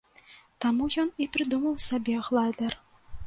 Таму ён і прыдумаў сабе глайдэр.